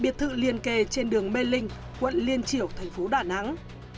biệt thự liền kề trên đường mê linh quận liên triểu thành phố đà nẵng